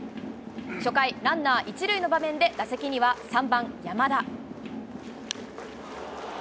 初回、ランナー１塁の場面で、打席には３番山田。